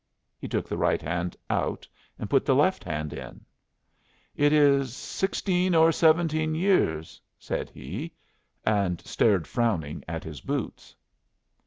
He took the right hand out and put the left hand in. "It is sixteen or seventeen years," said he, and stared frowning at his boots.